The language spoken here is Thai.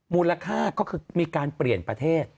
มูลค่าก็คือมีการเปลี่ยนประเทศ